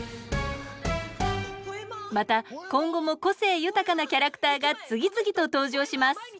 また今後も個性豊かなキャラクターが次々と登場します